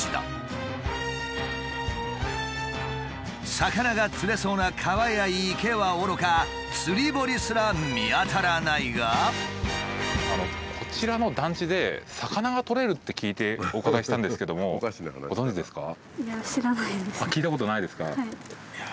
魚が釣れそうな川や池はおろか釣堀すら見当たらないが。って聞いてお伺いしたんですけどもご存じですか？